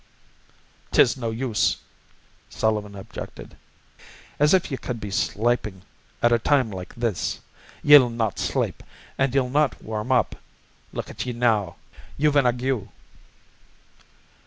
"'Tis no use," Sullivan objected. "As if ye cud be slapin' at a time like this. Ye'll not slape, and ye'll not warm up. Look at ye now. You've an ague."